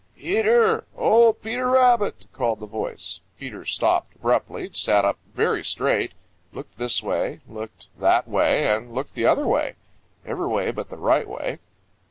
"Peter! Oh, Peter Rabbit!" called the voice. Peter stopped abruptly, sat up very straight, looked this way, looked that way and looked the other way, every way but the right way.